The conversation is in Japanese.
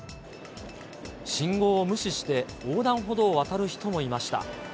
信号を無視して横断歩道を渡る人もいました。